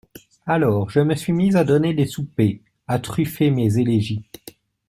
Alors, je me suis mis à donner des soupers… à truffer mes élégies !…